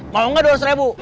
kalau gak dua ratus ribu